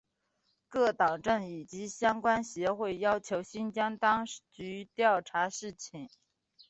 各政党以及相关协会要求新疆当局调查事件。